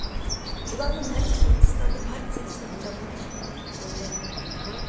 بۇلارنىڭ ھەممىسى ھىندىستاندا پارچە سېتىشنىڭ جانلىنىشىغا تۈرتكە بولدى.